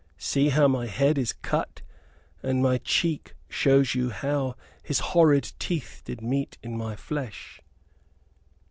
See how my head is cut, and my cheek shows you how his horrid teeth did meet in my flesh."